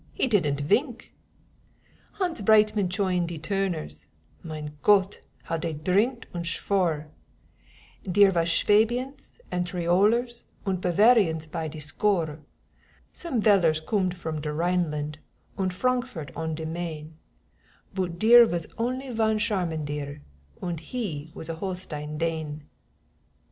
he didn't vink! Hans Breitmann choined de Toorners: Mein Gott! how dey drinked und shwore Dere vas Schwabians und Tyrolers, Und Bavarians by de score. Some vellers coomed from de Rheinland, Und Frankfort on de Main, Boot dere vas only von Sharman dere, Und he vas a Holstein Dane.